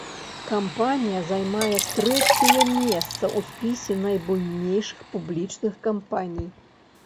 Кампанія займае трэцяе месца ў спісе найбуйнейшых публічных кампаній.